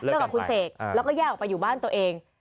กับคุณเสกแล้วก็แยกออกไปอยู่บ้านตัวเอง